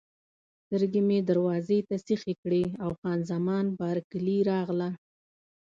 سترګې مې دروازې ته سیخې کړې او خان زمان بارکلي راغله.